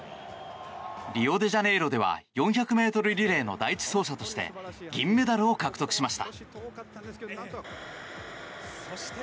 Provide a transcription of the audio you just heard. リオデジャネイロでは４００ｍリレーの第１走者として銀メダルを獲得しました。